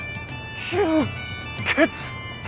吸血鬼！